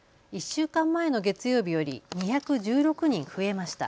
１週間前の月曜日より２１６人増えました。